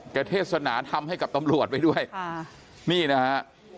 แกเทศสนานทำให้กับตำรวจไปด้วยนี่นะฮะ